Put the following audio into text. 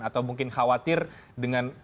atau mungkin khawatir dengan